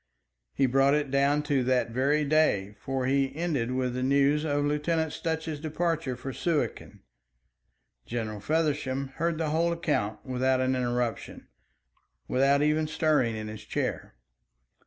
He brought it down to that very day, for he ended with the news of Lieutenant Sutch's departure for Suakin. General Feversham heard the whole account without an interruption, without even stirring in his chair.